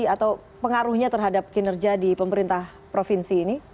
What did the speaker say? apa pengaruhnya pada kinerja di pemerintah provinsi ini